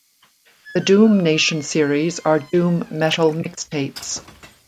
The "Doom Nation" series are doom metal mixtapes.